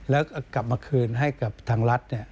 แล้วกลับมาคืนให้กับทางรัฐเนี่ย